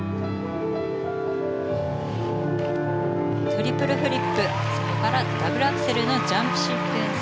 トリプルフリップそれからダブルアクセルのジャンプシークエンス。